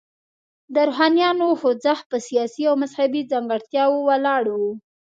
د روښانیانو خوځښت په سیاسي او مذهبي ځانګړتیاوو ولاړ و.